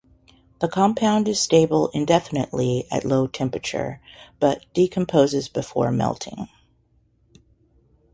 The compound is stable indefinitely at low temperature, but decomposes before melting.